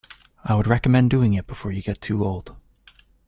I would recommend doing it before you get too old.